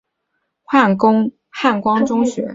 林子聪曾就读五旬节林汉光中学。